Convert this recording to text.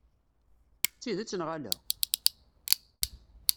D tidet neɣ ala?